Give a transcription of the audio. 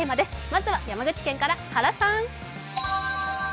まずは山口県から原さん。